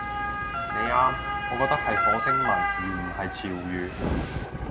你啱，我覺得係火星文而唔係潮語